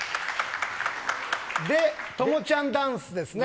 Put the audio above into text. で、朋ちゃんダンスですね。